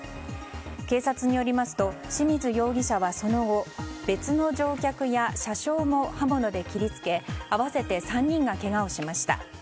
警察によりますと清水容疑者は、その後別の乗客や車掌も刃物で切り付け合わせて３人がけがをしました。